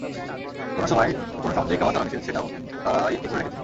কোন সময় কোন সামুদ্রিক খাবার ধরা নিষেধ, সেটাও তাঁরাই ঠিক করে রেখেছেন।